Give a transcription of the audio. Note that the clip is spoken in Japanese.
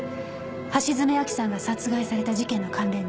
橋爪亜希さんが殺害された事件の関連で。